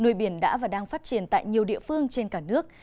nuôi biển đã và đang phát triển tại nhiều địa phương trên cả nước